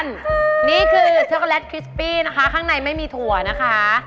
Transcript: นี่คือช็อกโกแลตคริสปี้นะคะข้างในไม่มีถั่วนะคะ